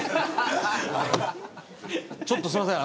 ちょっとすいません。